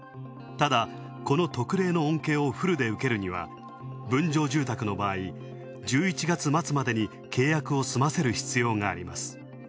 ただ、この特例の恩恵をフルで受けるには分譲住宅の場合１１月末までに契約を済ませる必要があります。